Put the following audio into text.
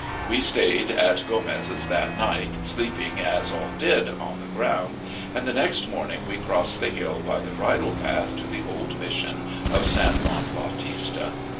We staid at Gomez's that night, sleeping, as all did, on the ground, and the next morning we crossed the hill by the bridle path to the old Mission of San Juan Bautista.